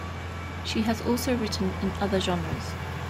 She has also written in other genres.